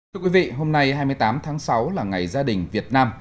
chào quý vị hôm nay hai mươi tám tháng sáu là ngày dự án